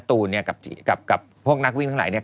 ตูนเนี่ยกับพวกนักวิ่งทั้งหลายเนี่ย